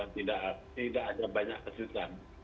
tidak ada banyak kejutan